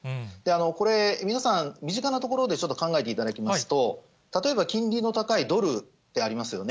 これ、皆さん、身近なところでちょっと考えていただきますと、例えば金利の高いドルってありますよね。